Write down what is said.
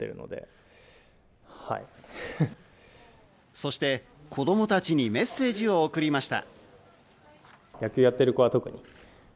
そして子供たちにメッセージを送りました。